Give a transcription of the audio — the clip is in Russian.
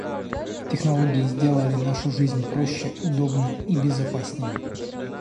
Технологии сделали нашу жизнь проще, удобнее и безопаснее.